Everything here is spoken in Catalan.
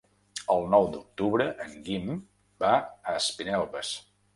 El nou d'octubre en Guim va a Espinelves.